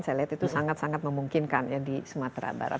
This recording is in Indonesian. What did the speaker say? saya lihat itu sangat sangat memungkinkan ya di sumatera barat